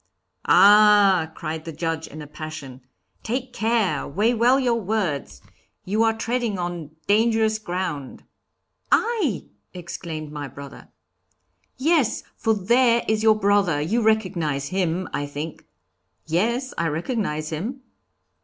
'Ah!' cried the Judge, in a passion. 'Take care, weigh well your words; you are treading on dangerous ground.' 'I!' exclaimed my brother. 'Yes, for there is your brother; you recognize him, I think.' 'Yes, I recognize him.'